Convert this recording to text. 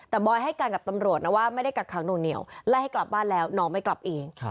แต่บอยให้การกับตำรวจนะว่าไม่ได้กักขังหน่วงเหนียวไล่ให้กลับบ้านแล้วน้องไม่กลับเอง